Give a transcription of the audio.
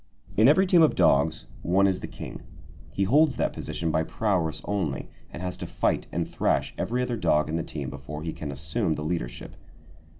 In every team of dogs, one is the king. He holds that position by prowess only, and has to fight and thrash every other dog in the team before he can assume the leadership.